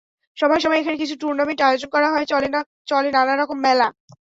সময়ে সময়ে এখানে কিছু টুর্নামেন্ট আয়োজন করা হয়, চলে নানা রকম মেলা।